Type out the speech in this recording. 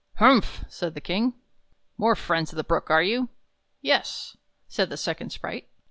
"Humph!" said the King. "More friends of the Brook, are you? " "Yes," said the second sprite.